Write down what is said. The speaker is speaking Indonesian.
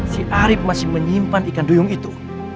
si arief masih menyimpan ikan duyung itu